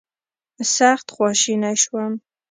سخت خواشینی شوم.